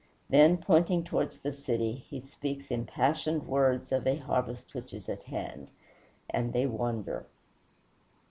Then, pointing towards the city, he speaks impassioned words of a harvest which is at hand; and they wonder.